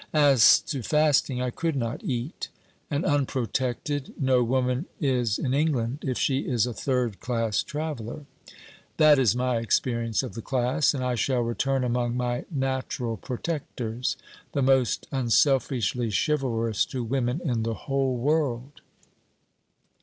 'As to fasting, I could not eat: and unprotected no woman is in England, if she is a third class traveller. That is my experience of the class; and I shall return among my natural protectors the most unselfishly chivalrous to women in the whole world.'